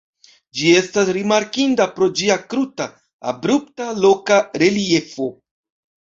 Ĝi estas rimarkinda pro ĝia kruta, abrupta loka reliefo.